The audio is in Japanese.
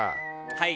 はい。